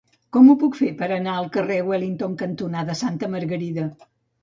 Com ho puc fer per anar al carrer Wellington cantonada Santa Margarida?